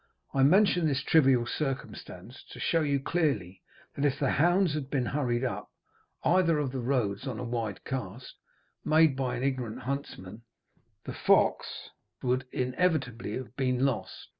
I mention this trivial circumstance to show you clearly, that if the hounds had been hurried up either of the roads on a wide cast, made by an ignorant huntsman, the fox would inevitably have been lost.